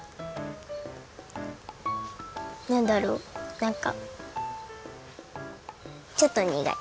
なんだろうなんかちょっとにがい。